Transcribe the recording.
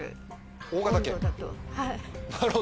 はい。